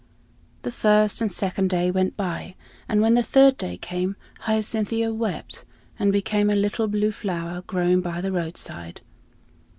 The first and second day went by; and when the third day came, Hyacinthia wept, and became a little blue flower growing by the roadside.